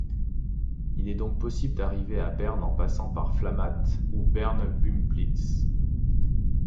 Il est donc possible d'arriver à Berne en passant par Flamatt ou Berne-Bümpliz.